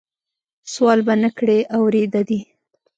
سوال به نه کړې اورېده دي